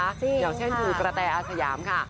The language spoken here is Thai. อย่างเช่นคุณกระแตอาสยามค่ะ